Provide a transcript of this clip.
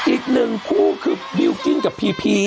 อีกหนึ่งคู่คือบิลกิ้งกับพีพี